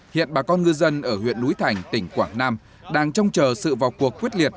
hiện bà con ngư dân ở huyện núi thành tỉnh quảng nam đang trông chờ sự vào cuộc quyết liệt